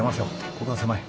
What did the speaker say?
ここは狭い。